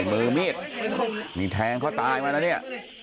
มือมีดมีแทงเขาตายมาแล้วนี่